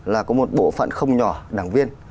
là có một bộ phận không nhỏ đảng viên